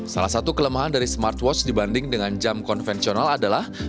salah satu kelemahan dari smartwatch dibanding dengan jaringan yang terbatas adalah